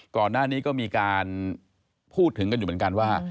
ก่อนหน้านี้ก็มีการพูดถึงกันอยู่เหมือนกันว่า